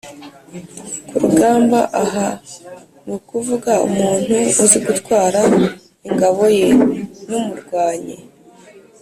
ku rugamba aha ni ukuvuga umuntu uzi gutwara ingabo ye, ni umurwanyi